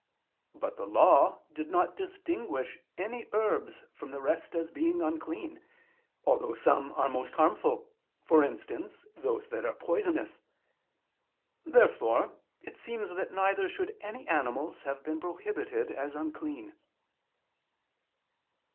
But the Law did not distinguish any herbs from the rest as being unclean, although some are most harmful, for instance, those that are poisonous. Therefore it seems that neither should any animals have been prohibited as being unclean.